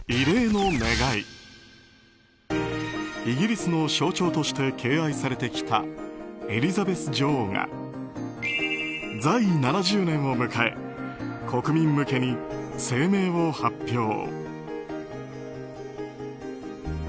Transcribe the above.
イギリスの象徴として敬愛されてきたエリザベス女王が在位７０年を迎え国民向けに声明を発表。